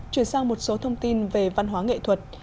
chuyển sang một số thông tin về văn hóa nghệ thuật